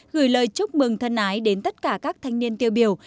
gửi lời chúc mừng thân ái đến tất cả các thanh niên tiêu biểu